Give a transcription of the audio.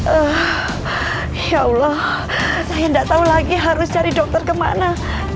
eh insya allah saya tidak tahu lagi harus cari dokter kemana